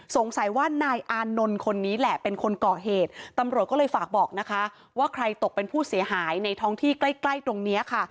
สงสัยว่านายอานนท์คนนี้แหละเป็นคนก่อเหตุตำรวจก็เลยฝากบอกนะคะว่าใครตกเป็นผู้เสียหายในท้องที่ใกล้ใกล้ตรงเนี้ยค่ะ